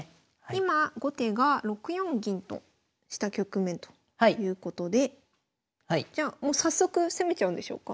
今後手が６四銀とした局面ということでじゃあもう早速攻めちゃうんでしょうか？